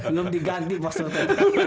belum diganti pas ototnya